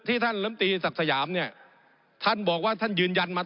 ผมอภิปรายเรื่องการขยายสมภาษณ์รถไฟฟ้าสายสีเขียวนะครับ